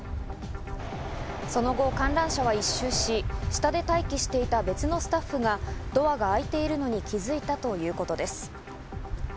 その後、観覧車は１周し、下で待機していた別のスタッフがドアが開いているのに気づいたということです。